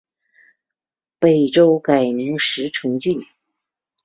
北周改名石城郡。